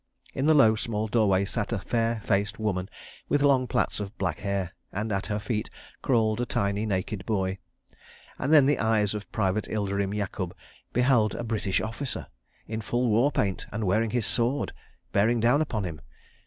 In the low, small doorway sat a fair faced woman with long plaits of black hair, and, at her feet, crawled a tiny naked boy ... and then the eyes of Private Ilderim Yakub beheld a British officer, in full war paint and wearing his sword, bearing down upon him.